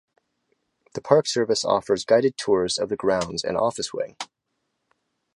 The Park Service offers guided tours of the grounds and office wing.